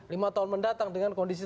lima tahun mendatang dengan kondisi